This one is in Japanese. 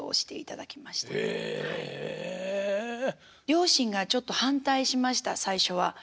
両親がちょっと反対しました最初は。